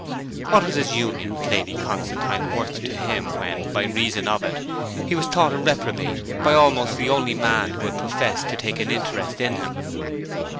What was his union with Lady Constantine worth to him when, by reason of it, he was thought a reprobate by almost the only man who had professed to take an interest in him?